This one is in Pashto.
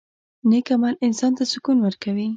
• نیک عمل انسان ته سکون ورکوي.